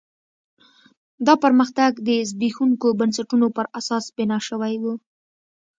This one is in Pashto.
دا پرمختګ د زبېښونکو بنسټونو پر اساس بنا شوی و.